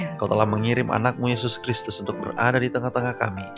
engkau telah mengirim anakmu yesus kristus untuk berada di tengah tengah kami